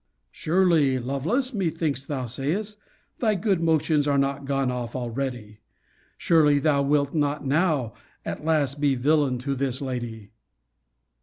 Surely, Lovelace, methinks thou sayest, thy good motions are not gone off already! Surely thou wilt not now at last be a villain to this lady!